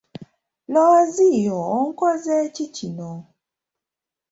Looziyo onkoze ki kino?